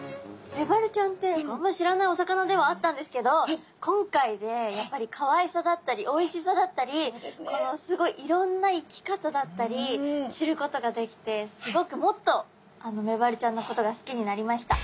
メバルちゃんってあんまり知らないお魚ではあったんですけど今回でやっぱりかわいさだったりおいしさだったりすごいいろんな生き方だったり知ることができてすごくもっとメバルちゃんのことが好きになりました。